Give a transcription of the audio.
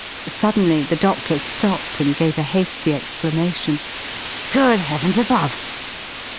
Suddenly the doctor stopped and gave a hasty exclamation: "Good Heavens above!"